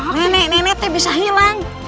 nenek neneknya bisa hilang